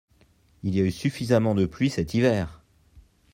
Il y a eu suffisamment de pluie cet hiver.